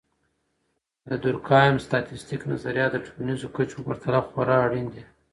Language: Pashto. د دورکهايم.static نظریات د ټولنیزو کچو په پرتله خورا اړین دي.